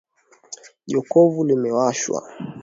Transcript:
Jokofu limewashwa.